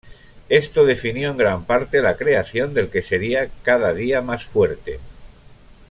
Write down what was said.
Esto definió en gran parte la creación del que sería "Cada día más fuerte".